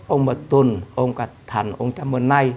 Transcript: ông mật tuần ông trần ông trăm vân nay